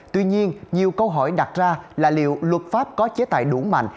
tuy nhiên nhiều câu hỏi đặt ra là liệu luật pháp có chế tài đủ mạnh